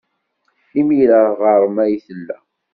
Imir-a, ɣer-m ay tella.